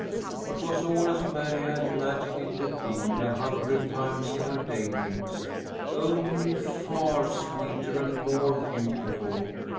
It was all as Mary had imagined it would be, a hundred times in her day dreams, only far sweeter and more beautiful.